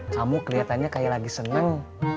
kamu kelihatannya kayak lagi senang